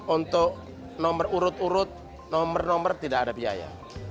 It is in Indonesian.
untuk nomor urut urut nomor nomor tidak ada biaya